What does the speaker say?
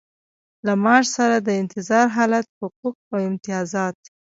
له معاش سره د انتظار حالت حقوق او امتیازات.